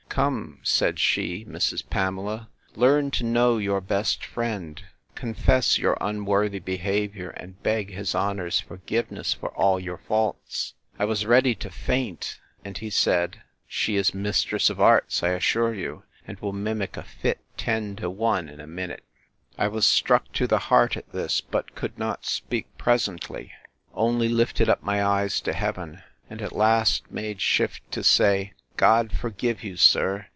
Come, said she, Mrs. Pamela, learn to know your best friend; confess your unworthy behaviour, and beg his honour's forgiveness of all your faults. I was ready to faint: And he said, She is mistress of arts, I'll assure you; and will mimic a fit, ten to one, in a minute. I was struck to the heart at this; but could not speak presently; only lifted up my eyes to heaven!—And at last made shift to say—God forgive you, sir!